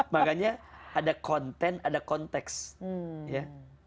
makanya ada konten ada konteks ya